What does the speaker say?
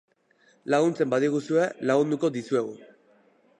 Laguntzen badiguzue lagunduko dizuegu.